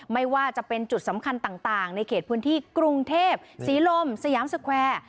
ไม่ว่าจะเป็นจุดสำคัญต่างในเขตพื้นที่กรุงเทพศรีลมสยามสแควร์